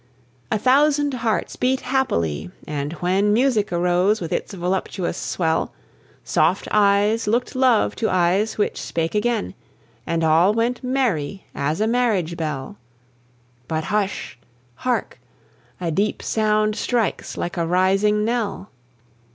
A thousand hearts beat happily; and when Music arose with its voluptuous swell, Soft eyes looked love to eyes which spake again, And all went merry as a marriage bell: But hush! hark! a deep sound strikes like a rising knell!